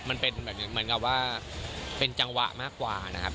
มันเป็นเหมือนกับว่าเป็นจังหวะมากกว่านะครับ